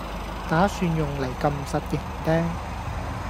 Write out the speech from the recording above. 打算用嚟撳實營釘